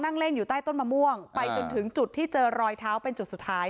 นั่งเล่นอยู่ใต้ต้นมะม่วงไปจนถึงจุดที่เจอรอยเท้าเป็นจุดสุดท้าย